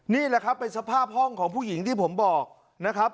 นี่แหละครับเป็นสภาพห้องของผู้หญิงที่ผมบอกนะครับ